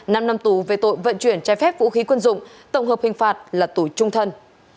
năm năm tù về tội vận chuyển trái phép vũ khí quân dụng tổng hợp hình phạt là tù trung thân